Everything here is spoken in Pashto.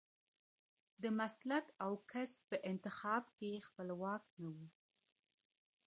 د مسلک او کسب په انتخاب کې خپلواک نه و.